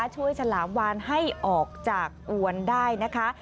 ฉลามวานให้ออกจากอวนได้นะคะ